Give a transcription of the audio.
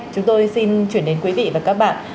chúng tôi xin chuyển đến quý vị và các bạn